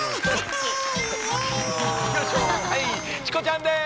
チコちゃんです。